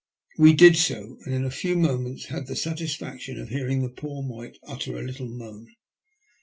We did so, and in a few minutes had the satisfaction of hearing the poor mite utter a little moan.